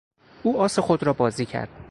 او آس خود را بازی کرد.